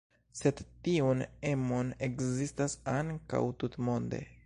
Sed tiun emon ekzistas ankaŭ tutmonde.